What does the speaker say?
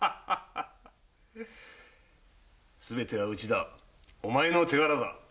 すべては内田お前の手柄だ。